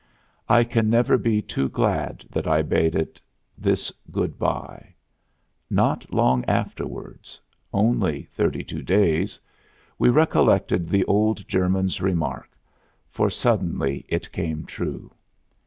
I can never be too glad that I bade it this good by. Not long afterward only thirty two days we recollected the old German's remark, for suddenly it came true.